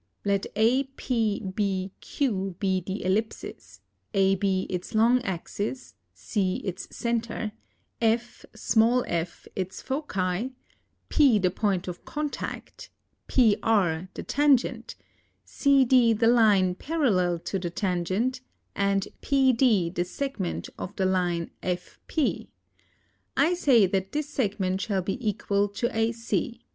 Let APBQ be the Ellipsis; AB its long axis; C its center; F, f its Foci; P the point of contact; PR the tangent; CD the line parallel to the tangent, & PD the segment of the line FP. I say that this segment shall be equal to AC.